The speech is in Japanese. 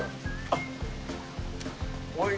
あっ。